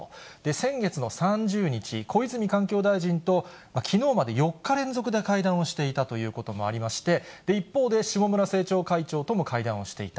先月の３０日、小泉環境大臣ときのうまで４日連続で会談をしていたということもありまして、一方で、下村政調会長とも会談をしていた。